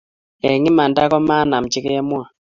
Eng' imanda ko ma ng'am che kemwa